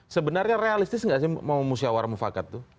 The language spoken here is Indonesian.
sebenarnya realistis nggak sih mau musyawara mufakat itu